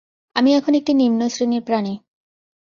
আমি এখন একটি নিম্নশ্রেণীর প্রাণী।